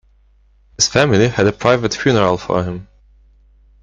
His family had a private funeral for him.